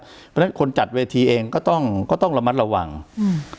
เพราะฉะนั้นคนจัดเวทีเองก็ต้องก็ต้องระมัดระวังอืม